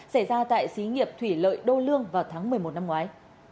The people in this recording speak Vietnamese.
xảy ra tại xí nghiệp thủy lợi đô lương vào tháng một mươi một năm ngoái